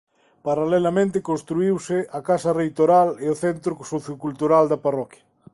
Paralelamente construíuse a casa reitoral e o centro sociocultural da parroquia.